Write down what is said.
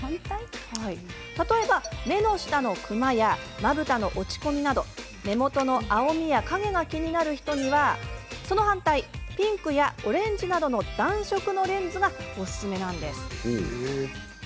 例えば目の下のくまやまぶたの落ち込みなど目元の青みや影が気になる人にはその反対ピンクやオレンジなどの暖色のレンズがオススメなんです。